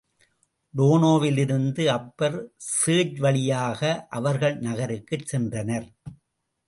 டோனோவிலிருந்து Upper Church வழியாக அவர்கள் நகருக்குச் சென்றனர்.